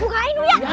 bukain dulu ya